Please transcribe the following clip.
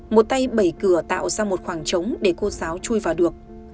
một tay bảy cửa tạo ra một khoảng trống để cô giáo chui vào được